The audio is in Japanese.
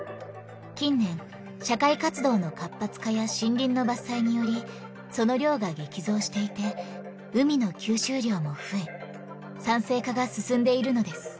近年社会活動の活発化や森林の伐採によりその量が激増していて海の吸収量も増え酸性化が進んでいるのです。